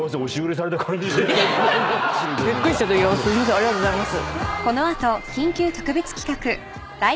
ありがとうございます。